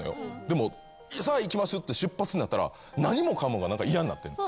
でもさあ行きましょうって出発になったら何もかもが嫌になってんの。